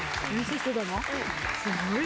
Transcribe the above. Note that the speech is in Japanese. すごいね！